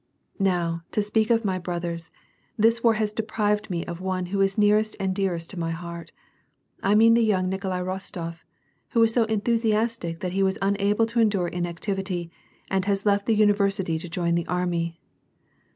lsot to speak of my brothers, this war has deprived me of one who is nearest and dearest to my heart: I mean the young Nikolai Bostof, who was so enthusiastic that he was unable to endure inactivity, and has left the university to join the army.